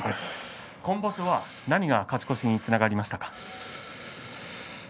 今場所は何が勝ち越しにつながりましたか。